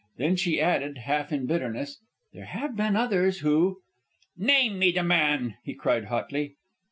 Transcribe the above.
Then she added, half in bitterness, "There have been others who " "Name me the man!" he cried hotly.